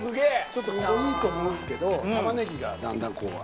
ちょっと濃いと思うけど玉ねぎがだんだんこう。